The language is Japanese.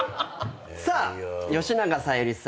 さあ吉永小百合さん